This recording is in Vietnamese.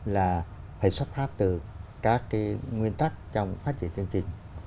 là phải xuất phát từ các cái nguyên tắc trong phát triển chương trình